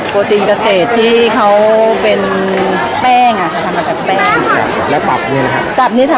มีความจานเหมาะนะครับค่ะ